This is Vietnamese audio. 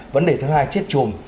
vấn đề thứ hai chết chùm